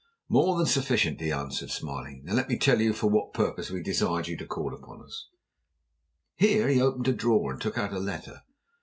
"More than sufficient," he answered, smiling. "Now let me tell you for what purpose we desired you to call upon us." Here he opened a drawer and took out a letter.